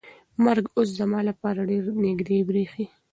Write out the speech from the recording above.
مرګ اوس زما لپاره ډېر نږدې برېښي.